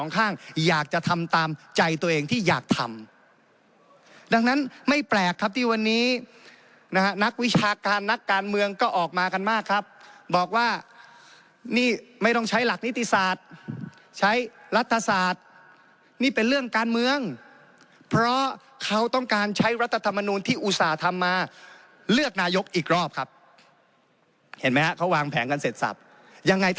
ข้างอยากจะทำตามใจตัวเองที่อยากทำดังนั้นไม่แปลกครับที่วันนี้นะฮะนักวิชาการนักการเมืองก็ออกมากันมากครับบอกว่านี่ไม่ต้องใช้หลักนิติศาสตร์ใช้รัฐศาสตร์นี่เป็นเรื่องการเมืองเพราะเขาต้องการใช้รัฐธรรมนูลที่อุตส่าห์ทำมาเลือกนายกอีกรอบครับเห็นไหมฮะเขาวางแผนกันเสร็จสับยังไงท